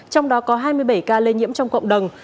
trong đó có hai mươi bảy ca lây nhiễm trong cộng đồng